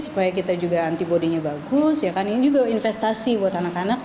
supaya kita juga antibody nya bagus ini juga investasi buat anak anak